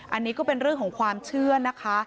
อันนี้ก็เป็นเรื่องของความเชื่อนะคะ